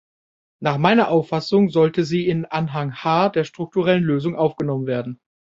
Nach meiner Auffassung sollten sie in Anhang H – der strukturellen Lösung – aufgenommen werden.